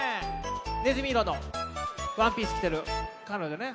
ねずみいろのワンピースきてるかのじょね。